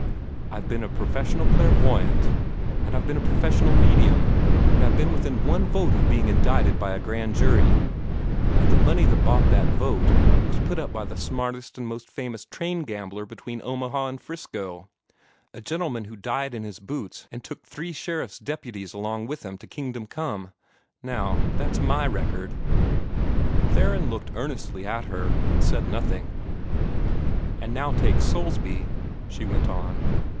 I've been a professional clairvoyant, and I've been a professional medium, and I've been within one vote of being indicted by a grand jury, and the money that bought that vote was put up by the smartest and most famous train gambler between Omaha and 'Frisco, a gentleman who died in his boots and took three sheriff's deputies along with him to Kingdom Come. Now, that's MY record." Theron looked earnestly at her, and said nothing. "And now take Soulsby," she went on.